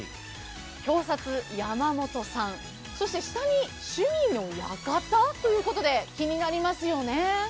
表札、山本さん、そして下に趣味の館ということで気になりますよね。